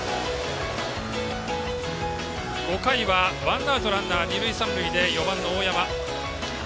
５回は、ワンアウトランナー、二塁三塁で４番の大山。